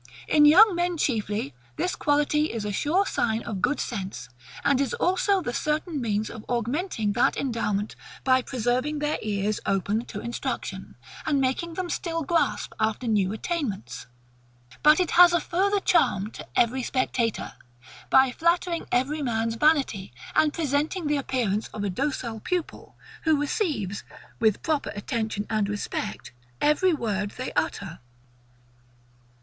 In young men chiefly, this quality is a sure sign of good sense; and is also the certain means of augmenting that endowment, by preserving their ears open to instruction, and making them still grasp after new attainments. But it has a further charm to every spectator; by flattering every man's vanity, and presenting the appearance of a docile pupil, who receives, with proper attention and respect, every word they utter.